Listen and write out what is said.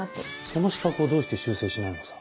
その死角をどうして修正しないのさ？